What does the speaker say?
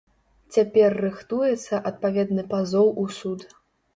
Цяпер рыхтуецца адпаведны пазоў у суд.